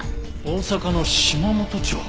大阪の島本町。